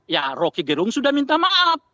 ya rocky gerung sudah minta maaf